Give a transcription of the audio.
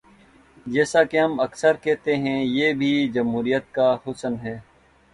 جیسا کہ ہم اکثر کہتے ہیں، یہ بھی جمہوریت کا حسن ہے۔